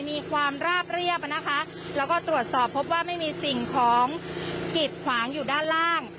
มีความราบเรียบนะคะแล้วก็ตรวจสอบพบว่าไม่มีสิ่งของกิดขวางอยู่ด้านล่าง